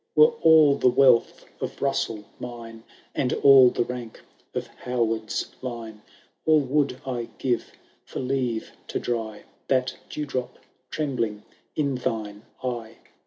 Were all the wealth of Ruaiell mine, And all the rank of Howaxd^s line. All would I give for leave to dry That drewdrop trembling in thine eye.